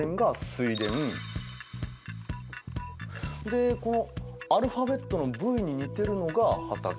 でこのアルファベットのＶに似てるのが畑。